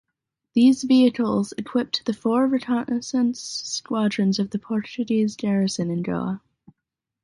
These vehicle equipped the four reconnaissance squadrons of the Portuguese garrison in Goa.